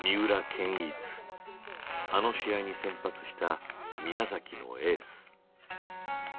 あの試合に先発した宮崎のエース。